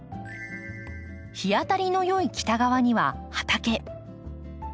日当たりの良い北側には畑。